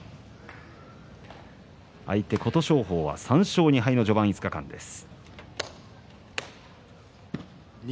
相手の琴勝峰は３勝２敗の序盤５日間です。